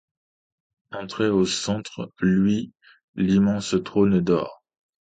Entrez ; au centre luit l'immense trône d'or ;